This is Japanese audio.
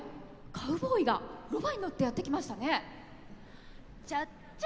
カウボーイがロバに乗ってやって来ましたね。